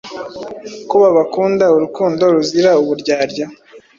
ko babakunda urukundo ruzira uburyarya